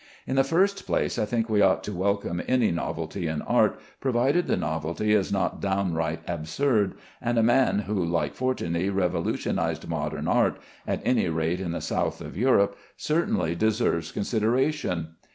In the first place, I think we ought to welcome any novelty in art, provided the novelty is not downright absurd, and a man who like Fortuny revolutionized modern art (at any rate in the south of Europe), certainly deserves consideration.